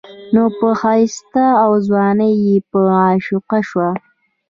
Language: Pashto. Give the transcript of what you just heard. نو پۀ ښايست او ځوانۍ يې عاشقه شوه